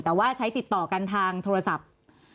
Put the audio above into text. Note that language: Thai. แต่ว่าใช้ติดต่อกันทางโทรศัพท์